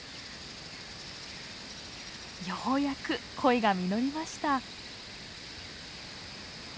ようやく恋が実りました。